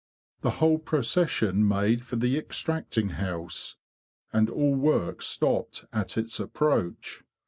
The whole procession made for the extracting house, and all work stopped at its approach.